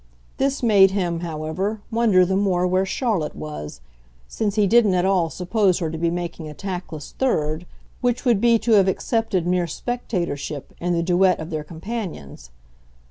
This made him, however, wonder the more where Charlotte was since he didn't at all suppose her to be making a tactless third, which would be to have accepted mere spectatorship, in the duet of their companions.